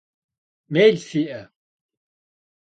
Mel fi'e?